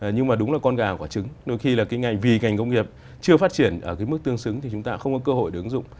nhưng mà đúng là con gà quả trứng đôi khi là cái ngành vì ngành công nghiệp chưa phát triển ở cái mức tương xứng thì chúng ta không có cơ hội để ứng dụng